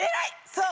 そう！